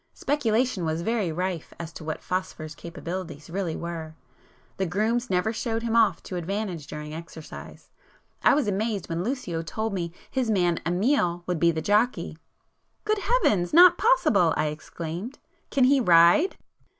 Speculation was very rife as to what 'Phosphor's' capabilities really were; the grooms never showed him off to advantage during exercise. I was amazed when Lucio told me his man Amiel would be the jockey. "Good heavens!—not possible!" I exclaimed. "Can he ride?"